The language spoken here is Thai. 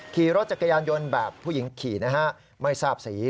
ขี่รถจักรยานยนต์แบบผู้หญิงขี่นะฮะไม่ทราบสี